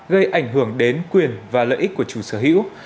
gây ảnh hưởng đến quyền và lợi ích của chủ sở hữu